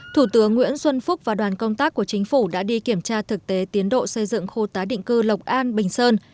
thủ tướng nguyễn xuân phúc và đoàn công tác của chính phủ đã đi kiểm tra thực tế tiến độ xây dựng khu tái định cư lộc an bình sơn